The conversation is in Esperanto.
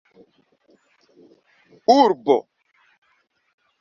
urbo